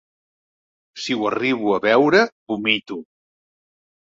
Si ho arribo a veure, vomito!